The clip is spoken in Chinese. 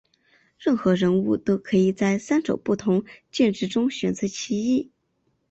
任何人物都可以在三种不同剑质中选择其一。